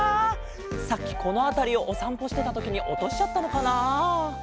さっきこのあたりをおさんぽしてたときにおとしちゃったのかな。